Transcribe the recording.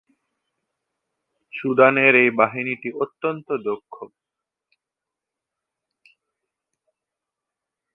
সুদানের এই বাহিনীটি অত্যন্ত দক্ষ।